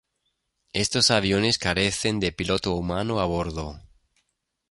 Estos aviones carecen de piloto humano a bordo.